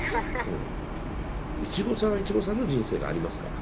うんいちごさんはいちごさんの人生がありますから。